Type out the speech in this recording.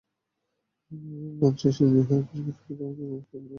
মঞ্চে এসে নিজ হাতে পুরষ্কার তুলে দেওয়ার জন্য উনাকে সম্মানের সাথে আহ্বান জানাচ্ছি!